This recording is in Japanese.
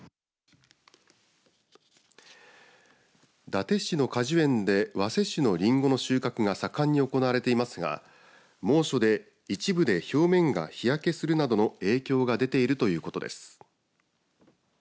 伊達市の果樹園でわせ種のりんごの収穫が盛んに行われていますが猛暑で一部で表面が日焼けするなどの影響が出ているということです。